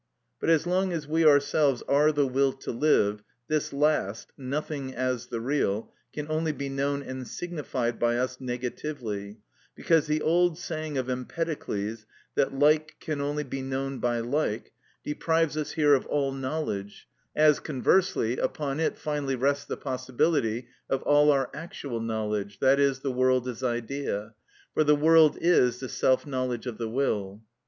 But as long as we ourselves are the will to live, this last—nothing as the real—can only be known and signified by us negatively, because the old saying of Empedocles, that like can only be known by like, deprives us here of all knowledge, as, conversely, upon it finally rests the possibility of all our actual knowledge, i.e., the world as idea; for the world is the self knowledge of the will.